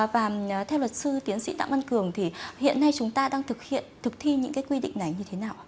và theo luật sư tiến sĩ tạm văn cường thì hiện nay chúng ta đang thực thi những quy định này như thế nào